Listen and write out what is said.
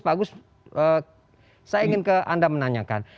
pak agus saya ingin ke anda menanyakan